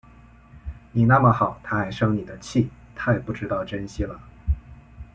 你那么好，她还生你的气，太不知道珍惜了